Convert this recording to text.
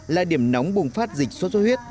là điểm nóng bùng phát dịch sốt xuất huyết